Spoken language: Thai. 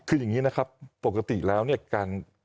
คืออย่างนี้นะครับปกติแล้วเนี่ยการ